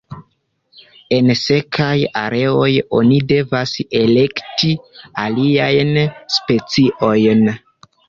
En sekaj areoj oni devas elekti aliajn speciojn.